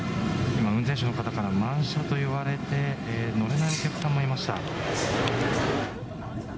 今、運転手の方から満車と言われて、乗れないお客さんもいました。